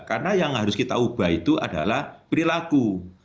karena yang harus kita ubah itu adalah perilaku